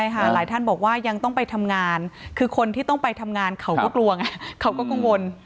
ใช่ค่ะหลายท่านบอกว่ายังต้องไปทำงานคือคนที่ต้องไปทำงานเขาก็กลัวไงเขาก็กังวล